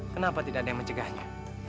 kenapa tidak ada yang mencegahnya